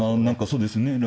何かそうですね。